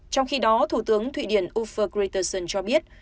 trong khi đó thủ tướng thụy điển uffe grittersen cho biết